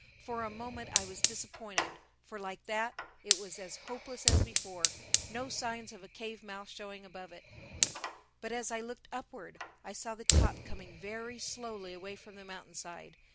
For a moment I was disappointed, for like that, it was as hopeless as before—no signs of a cave mouth showing above it. But as I looked upward, I saw the top coming very slowly away from the mountainside.